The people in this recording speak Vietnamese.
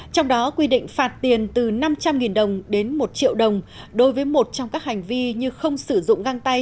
trong đó quy định phạt tiền từ năm trăm linh đồng đến một triệu đồng đối với một trong các hành vi như không sử dụng găng tay